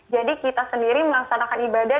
jadi kita sendiri melaksanakan ibadah